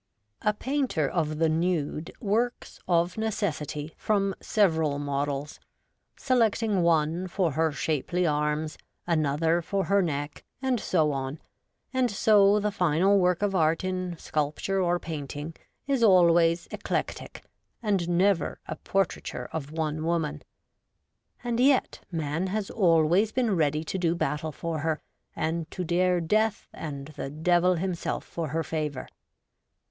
A painter of the nude works, of necessity, 26 REVOLTED WOMAN. from several models, selecting one for her shapely, arms, another for her neck, and so on ; and so the final work of art in sculpture or painting is always, eclectic, and never a portraiture of one woman. And yet man has always been ready to do battle for her, and to dare death and the Devil himself for her favour.